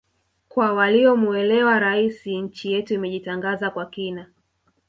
Kwa waliomuelewa Rais nchi yetu imejitangaza kwa kina